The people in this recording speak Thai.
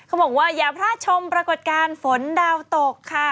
บอกว่าอย่าพลาดชมปรากฏการณ์ฝนดาวตกค่ะ